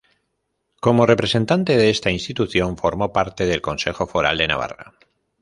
Como representante de esta institución, formó parte del Consejo Foral de Navarra.